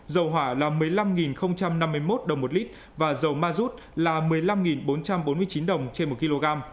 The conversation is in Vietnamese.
dầu hỏa là một mươi năm năm mươi một đồng một lít và dầu ma rút là một mươi năm bốn trăm bốn mươi chín đồng trên một kg